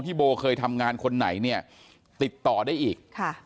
ที่โบเคยทำงานคนไหนติดต่อได้อีก